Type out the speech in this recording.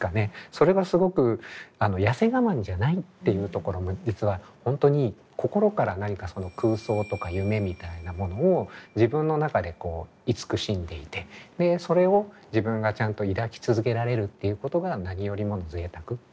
それがすごく痩せ我慢じゃないっていうところも実は本当に心から何かその空想とか夢みたいなものを自分の中でこういつくしんでいてそれを自分がちゃんと抱き続けられるっていうことが何よりもの贅沢っていうこと。